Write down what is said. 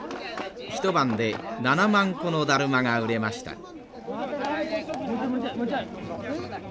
一晩で７万個のだるまが売れました。